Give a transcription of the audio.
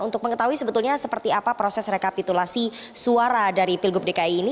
untuk mengetahui sebetulnya seperti apa proses rekapitulasi suara dari pilgub dki ini